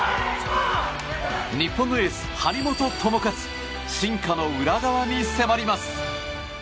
日本のエース張本智和進化の裏側に迫ります。